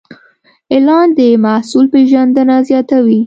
اعلان د محصول پیژندنه زیاتوي.